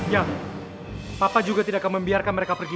ya papa juga tidak akan membiarkan mereka pergi